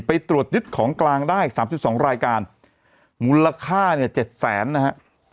ไปตรวจยึดของกลางได้สามสิบสองรายการมูลค่าเนี่ยเจ็ดแสนนะฮะ